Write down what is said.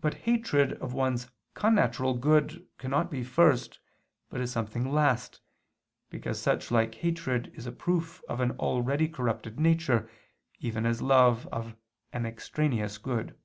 But hatred of one's connatural good cannot be first, but is something last, because such like hatred is a proof of an already corrupted nature, even as love of an extraneous good.